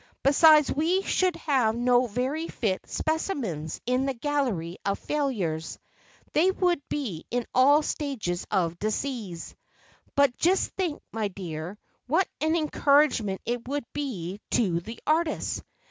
"Besides, we should have no very fit specimens, in a gallery of failures. They would be in all stages of disease. But just think, my dear, what an encouragement it would be to the artists!